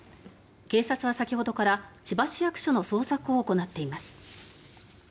警察は、先ほどから千葉市役所の捜索を行っています。